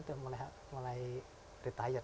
sudah mulai retired